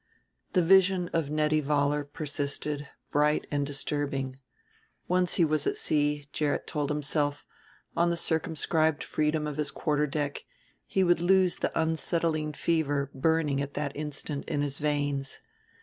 The vision of Nettie Vollar persisted, bright and disturbing. Once he was at sea, Gerrit told himself, on the circumscribed freedom of his quarter deck, he would lose the unsettling fever burning at that instant in his veins.